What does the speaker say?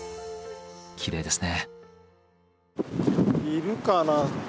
きれいですね。